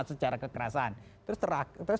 secara kekerasan terus